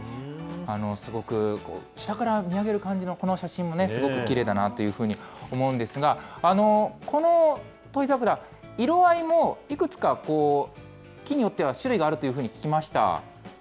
すごく、下から見上げる感じのこの写真も、すごくきれいだなというふうに思うんですが、この土肥桜、色合いもいくつか、木によっては種類があるというふうに聞きました。